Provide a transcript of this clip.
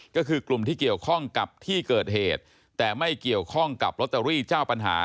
ก็คือกลุ่มที่เกี่ยวข้องกับที่เกิดเหตุแต่ไม่เกี่ยวข้องกับลอตเตอรี่เจ้าปัญหา